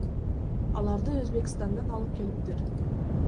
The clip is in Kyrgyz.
Аларды Өзбекстандан алып келиптир.